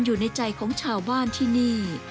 อยู่ในใจของชาวบ้านที่นี่